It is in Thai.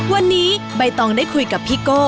วันนี้ใบตองได้คุยกับพี่โก้